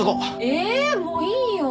えぇもういいよ。